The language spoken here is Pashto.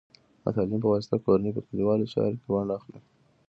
د تعلیم په واسطه، کورنۍ په کلیوالو چارو کې ونډه اخلي.